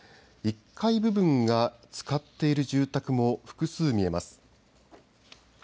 １階部分がつかっている住宅も複数見えます。